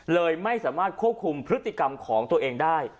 เลยไม่สามารถควบคุมพฤติกรรมของตัวเองได้